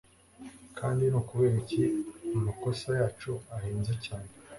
Kandi ni ukubera iki amakosa yacu ahenze cyane